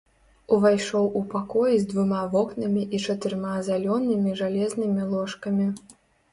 Увайшоў у пакой з двума вокнамі і чатырма залёнымі жалезнымі ложкамі.